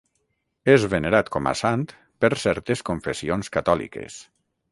És venerat com a sant per certes confessions catòliques.